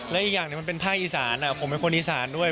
และอีกอย่างหนึ่งมันเป็นภาคอีสานผมเป็นคนอีสานด้วย